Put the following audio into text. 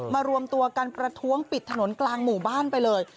รวมตัวกันประท้วงปิดถนนกลางหมู่บ้านไปเลย